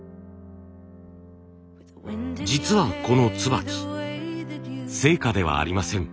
実はこの椿生花ではありません。